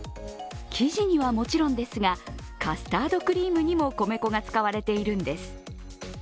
生地にはもちろんですがカスタードクリームにも米粉が使われているんです。